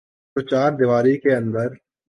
توچاردیواری کے اندر۔